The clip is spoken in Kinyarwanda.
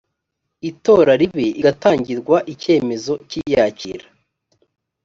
itora ribe igatangirwa icyemezo cy iyakira